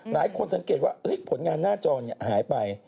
หลายคนสังเกตว่าผลงานหน้าจอหายไป